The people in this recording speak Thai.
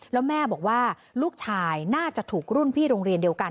แล้วแม่บอกว่าลูกชายน่าจะถูกรุ่นพี่โรงเรียนเดียวกัน